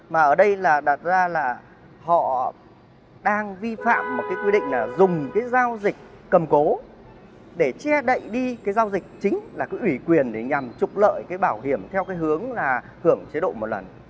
mà ở đây là đặt ra là họ đang vi phạm một cái quy định là dùng cái giao dịch cầm cố để che đậy đi cái giao dịch chính là cứ ủy quyền để nhằm trục lợi cái bảo hiểm theo cái hướng là hưởng chế độ một lần